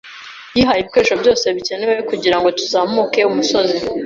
Yihaye ibikoresho byose bikenewe kugirango tuzamuke umusozi.